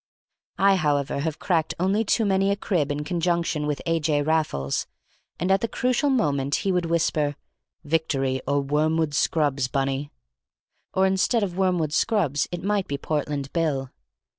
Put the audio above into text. I, however, have cracked only too many a crib in conjunction with A. J. Raffles, and at the crucial moment he would whisper "Victory or Wormwood Scrubbs, Bunny!" or instead of Wormwood Scrubbs it might be Portland Bill.